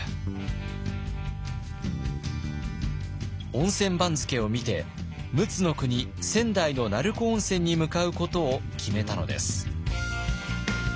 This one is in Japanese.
温泉番付を見て陸奥国仙台の成子温泉に向かうことを決めたのです。